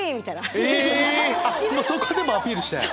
そこでもアピールして。